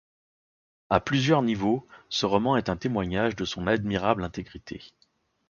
À plusieurs niveaux, ce roman est un témoignage de son admirable intégrité.